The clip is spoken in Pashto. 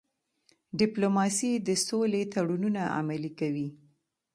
ډيپلوماسي د سولې تړونونه عملي کوي.